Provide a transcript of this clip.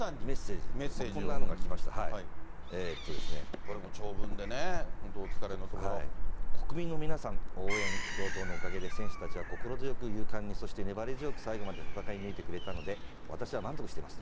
これも長文でね、本当、お疲れの国民の皆さん、応援、共闘のおかげで選手たちは心強く、勇敢に、そして粘り強く、戦い抜いてくれたので私は満足しています。